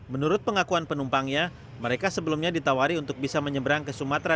menurut pengakuan penumpangnya mereka sebelumnya ditawari untuk bisa menyeberang ke sumatera